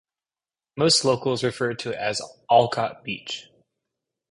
Most locals refer to it as Olcott Beach.